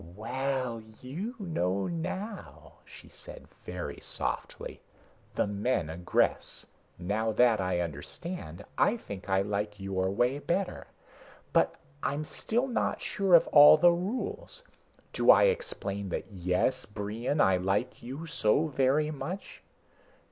"Well, you know now," she said very softly. "The men aggress. Now that I understand, I think I like your way better. But I'm still not sure of all the rules. Do I explain that yes, Brion, I like you so very much?